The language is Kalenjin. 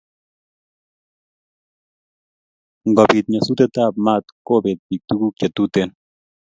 ngobit nyasutet ab maat kobet pik tukuk che tuten